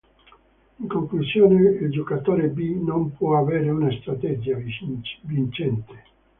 In conclusione, il giocatore B non può avere una strategia vincente.